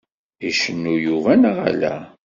Icennu Yuba neɣ ala?